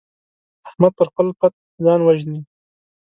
احمد پر خپل پت ځان وژني.